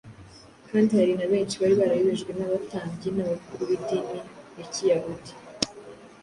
kandi hari na benshi bari barayobejwe n’abatambyi n’abakuru b’idini ya kiyahudi.